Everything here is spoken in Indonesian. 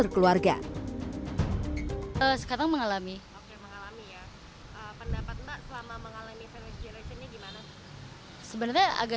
keluarga sekarang mengalami pendapat mbak selama mengalami sejarah ini gimana sebenarnya agak